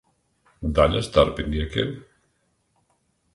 Daļas darbiniekiem.